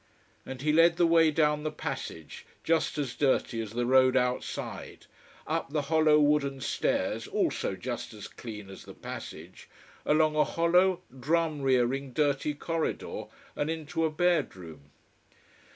And he led the way down the passage, just as dirty as the road outside, up the hollow, wooden stairs also just as clean as the passage, along a hollow, drum rearing dirty corridor, and into a bedroom.